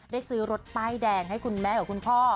ซื้อรถป้ายแดงให้คุณแม่กับคุณพ่อ